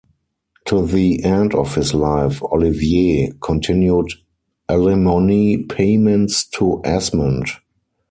To the end of his life, Olivier continued alimony payments to Esmond.